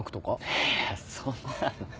いやそんなの。